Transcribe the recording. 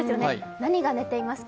何が寝ていますか？